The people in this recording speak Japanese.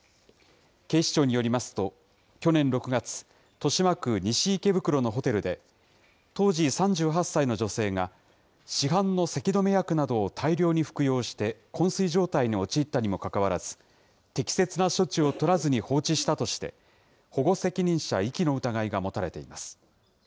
警視庁によりますと、去年６月、豊島区西池袋のホテルで、当時３８歳の女性が、市販のせき止め薬などを大量に服用してこん睡状態に陥ったにもかかわらず、適切な処置を取らずに放置したとして、保護責任者遺棄の疑いが持たれています。